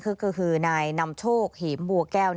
ก็คือนายนำโชคเหมบัวแก้ว